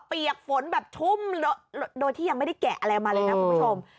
เปียกฝนแบบชุ่มโดยที่ยังไม่ได้แกะอะไรมาเลยนะคุณผู้ชม